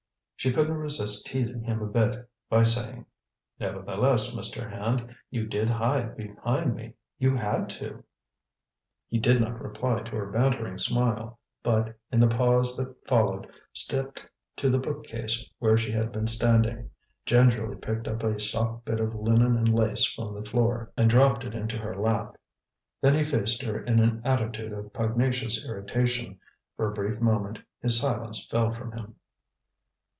She couldn't resist teasing him a bit, by saying, "Nevertheless, Mr. Hand, you did hide behind me; you had to." He did not reply to her bantering smile, but, in the pause that followed, stepped to the bookcase where she had been standing, gingerly picked up a soft bit of linen and lace from the floor and dropped it into her lap. Then he faced her in an attitude of pugnacious irritation. For a brief moment his silence fell from him.